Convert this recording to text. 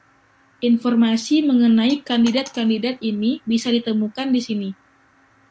Informasi mengenai kandidat-kandidat ini bisa ditemukan di sini.